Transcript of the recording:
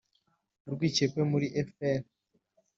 urwikekwe muri fpr.